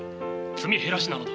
積み減らしなのだ。